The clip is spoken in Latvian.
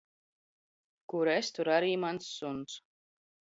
Kur es, tur ar? mans suns.